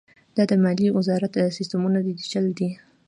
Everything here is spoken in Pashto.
آیا د مالیې وزارت سیستمونه ډیجیټل دي؟